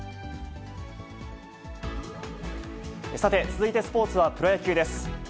さて続いてスポーツはプロ野球です。